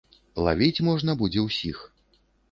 Лавіць можна будзе ўсіх.